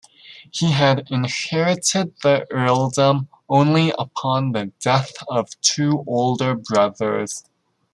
He had inherited the earldom only upon the death of two older brothers.